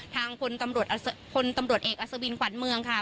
ทางพลตำรวจพลตำรวจเอกอัศวินขวัญเมืองค่ะ